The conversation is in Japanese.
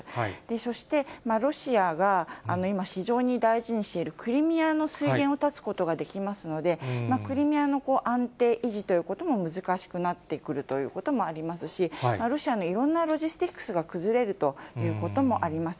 そしてロシアが今、非常に大事にしているクリミアの水源を断つことができますので、クリミアの安定維持ということも難しくなってくるということもありますし、ロシアのいろんなロジスティックスが崩れるということもあります。